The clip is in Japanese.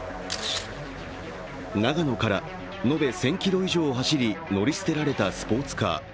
長野から延べ１０００ｋｍ以上走り、乗り捨てられたスポーツカー。